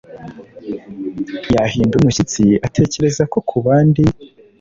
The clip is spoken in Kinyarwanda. yahinda umushyitsi atekereza ko ku bandi,